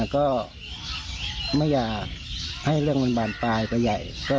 ก็ไม่อยากให้เรื่องมันบานปลายไปใหญ่